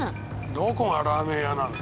どこがラーメン屋なんだ。